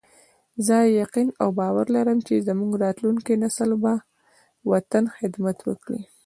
زه یقین او باور لرم چې زموږ راتلونکی نسل به د وطن خدمت وکړي